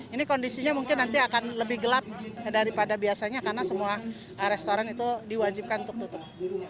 ini kondisinya mungkin nanti akan lebih gelap daripada biasanya karena semua restoran itu diwajibkan untuk tutup